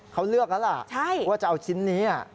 เขาเลือกแล้วล่ะว่าจะเอาชิ้นนี้